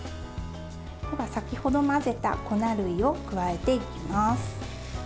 先ほど混ぜた粉類を加えていきます。